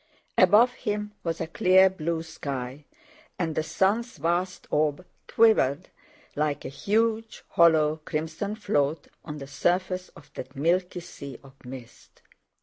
Above him was a clear blue sky, and the sun's vast orb quivered like a huge hollow, crimson float on the surface of that milky sea of mist.